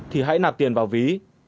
thì hãy nạp tiền vào ví